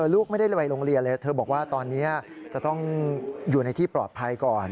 ลูกไม่ได้ไปโรงเรียนเลยเธอบอกว่าตอนนี้จะต้องอยู่ในที่ปลอดภัยก่อน